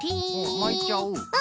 まいちゃう？